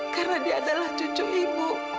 karena dia adalah cucu ibu